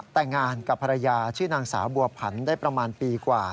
แต่งงานกับภรรยาชื่อนางสาวบัวผันได้ประมาณปีกว่า